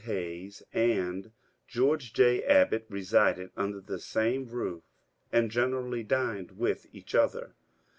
Hayes, and George J. Abbot resided under the same roof and generaUy dined with each other.